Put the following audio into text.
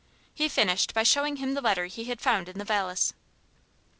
He finished by showing him the letter he had found in the valise.